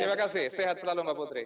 terima kasih sehat selalu mbak putri